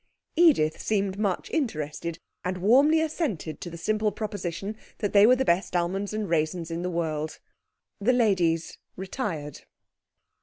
Edith seemed much interested, and warmly assented to the simple proposition that they were the best almonds and raisins in the world. The ladies retired.